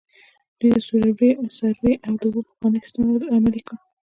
دوی د سروې او د اوبو پخوانی سیستم عملي کړ.